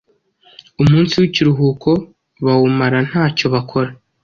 Umunsi w’ikiruhuko bawumara ntacyo bakora,